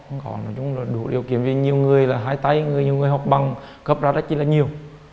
nói chung là đủ điều kiện vì nhiều người là hai tay nhiều người học bằng cấp ra rất là nhiều